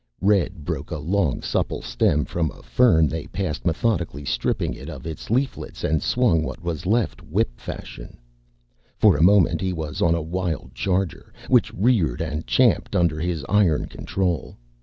Red broke a long, supple stem from a fern they passed, methodically stripped it of its leaflets and swung what was left whip fashion. For a moment, he was on a wild charger, which reared and champed under his iron control.